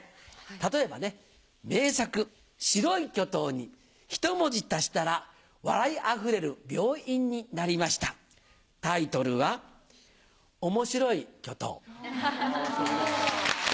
例えばね名作『白い巨塔』にひと文字足したら笑いあふれる病院になりましたタイトルは「面白い巨塔」。